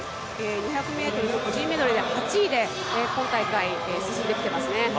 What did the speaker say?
２００ｍ個人メドレーで８位で、今大会進んできてますね。